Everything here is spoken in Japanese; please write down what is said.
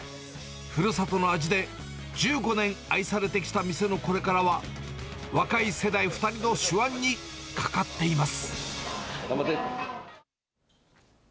ふるさとの味で１５年愛されてきた店のこれからは、若い世代２人の手腕にかかっています。